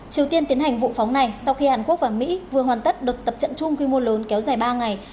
triều tiên tiến hành vụ phóng này sau khi hàn quốc và mỹ vừa hoàn tất đợt tập trận chung quy mô lớn kéo dài ba ngày